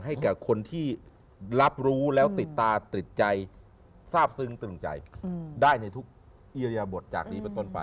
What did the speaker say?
ให้กับคนที่รับรู้แล้วติดตาติดใจทราบซึ้งตรึงใจได้ในทุกอิริยบทจากนี้ไปต้นไป